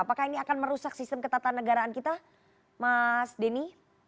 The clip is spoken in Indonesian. apakah ini akan merusak sistem ketatanegaraan kita mas denny